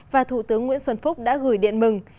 và thủ tướng nguyễn xuân phúc đã gửi điện mừng